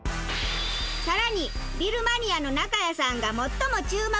さらにビルマニアの中谷さんが最も注目するのが。